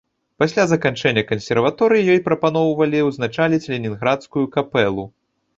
Пасля заканчэння кансерваторыі ёй прапаноўвалі ўзначаліць ленінградскую капэлу.